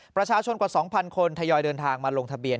ประชาชนกว่า๒๐๐คนทยอยเดินทางมาลงทะเบียน